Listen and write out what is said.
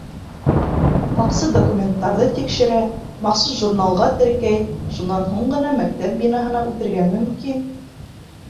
Һаҡсы документтарҙы тикшерә, махсус журналға теркәй, шунан һуң ғына мәктәп бинаһына үтергә мөмкин.